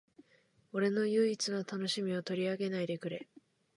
俺の唯一の楽しみを取り上げないでくれ